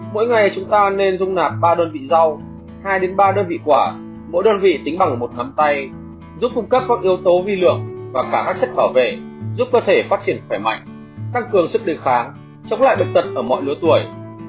mỗi ngày chúng ta nên dung nạp ba đơn vị rau hai ba đơn vị quả mỗi đơn vị tính bằng một thấm tay giúp cung cấp các yếu tố vi lượng và cả các chất bảo vệ giúp cơ thể phát triển khỏe mạnh tăng cường sức đề kháng chống lại bệnh tật ở mọi lứa tuổi